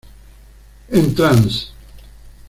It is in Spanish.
En Trans.